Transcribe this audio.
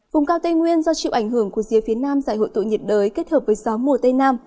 vùng cao tây nguyên do chịu ảnh hưởng của rìa phía nam giải hội tụ nhiệt đới kết hợp với gió mùa tây nam